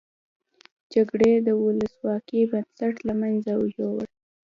جګړې د ولسواکۍ بنسټ له مینځه یوړ.